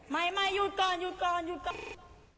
ไม่หยุดก่อนหยุดก่อนหยุดก่อน